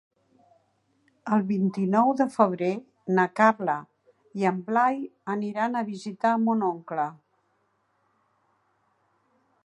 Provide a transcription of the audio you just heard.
El vint-i-nou de febrer na Carla i en Blai aniran a visitar mon oncle.